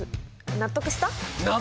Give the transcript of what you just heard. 納得した！